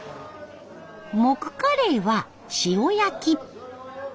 モクカレイは塩焼き。